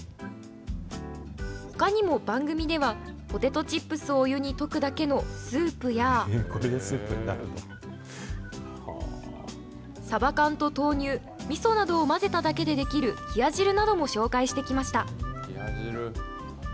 ほかにも番組では、ポテトチップスをお湯に溶くだけのスープや、サバ缶と豆乳、みそなどを混ぜただけで出来る冷や汁なども紹介してきました。